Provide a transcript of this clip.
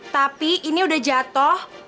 tapi ini udah jatoh